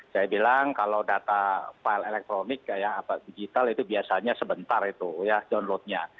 saya bilang kalau data file elektronik ya apa digital itu biasanya sebentar itu ya downloadnya